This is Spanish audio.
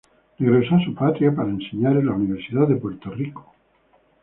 Regreso a su patria, para enseñar en la Universidad de Puerto Rico.